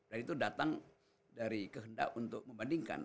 dan itu datang dari kehendak untuk membandingkan